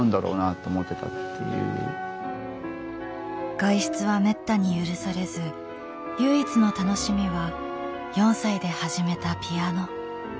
外出はめったに許されず唯一の楽しみは４歳で始めたピアノ。